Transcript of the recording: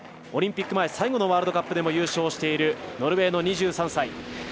オリンピック前、最後のワールドカップでも優勝しているノルウェーの２３歳。